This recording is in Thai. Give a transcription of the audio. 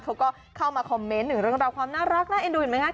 เขาก็เข้ามาคอมเมนต์หนึ่งเรื่องราวความน่ารักน่าเอ็นดูเห็นไหมครับ